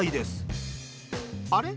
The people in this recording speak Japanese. あれ？